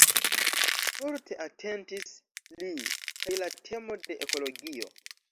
Forte atentis li kaj la temo de ekologio.